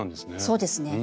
そうですね。